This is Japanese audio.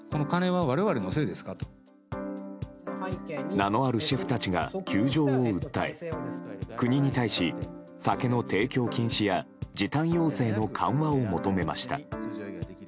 名のあるシェフたちが窮状を訴え国に対し、酒の提供禁止や時短要請の緩和を求めました。